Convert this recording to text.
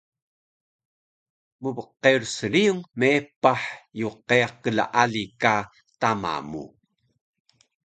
Mbqerus riyung meepah yqeyaq klaali ka tama mu